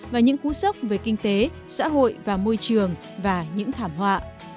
và những cú sốc về kinh tế xã hội và môi trường và những thảm họa